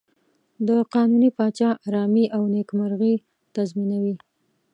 د قانوني پاچا آرامي او نېکمرغي تضمینوي.